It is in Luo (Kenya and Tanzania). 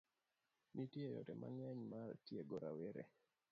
Nitie yore mang'eny mar tiego rawere.